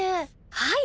はい。